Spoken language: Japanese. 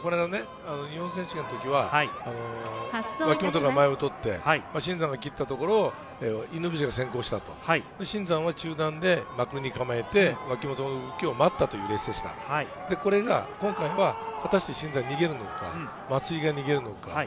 日本選手権のときは脇本の前を通って、新山が切ったところを、犬伏が先行した、新山は中間で枠に構えて、脇本の動きを待ったというレース、これが今回は果たして新山逃げるのか？